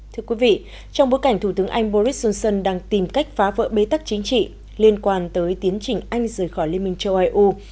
thưa quý vị trong bối cảnh thủ tướng anh boris johnson đang tìm cách phá vỡ bế tắc chính trị liên quan tới tiến trình anh rời khỏi liên minh châu âu